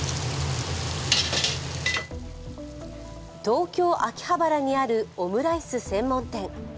東京・秋葉原にあるオムライス専門店。